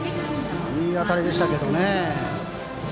いい当たりでしたけどね。